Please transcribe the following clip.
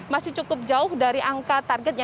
masih cukup jauh dari angka targetnya